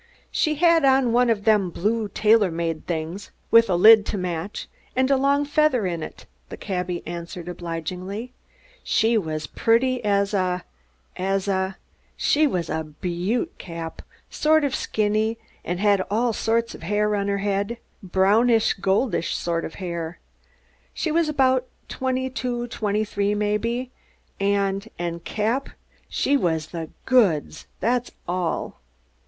"She had on one of them blue tailor made things with a lid to match, and a long feather in it," the cabby answered obligingly. "She was pretty as a as a she was a beaut, Cap, sort of skinny, and had all sorts of hair on her head brownish, goldish sort of hair. She was about twenty two or three, maybe, and and Cap, she was the goods, that's all."